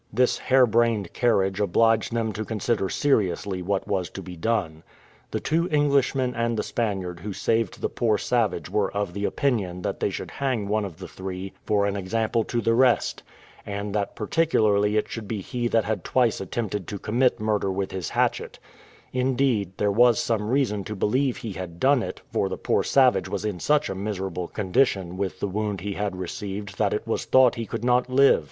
This hare brained carriage obliged them to consider seriously what was to be done. The two Englishmen and the Spaniard who saved the poor savage were of the opinion that they should hang one of the three for an example to the rest, and that particularly it should be he that had twice attempted to commit murder with his hatchet; indeed, there was some reason to believe he had done it, for the poor savage was in such a miserable condition with the wound he had received that it was thought he could not live.